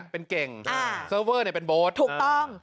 เป็นเก่ง